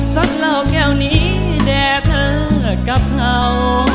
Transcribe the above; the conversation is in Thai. สักเหล่าแค่วนี้แดดเธอกับเผา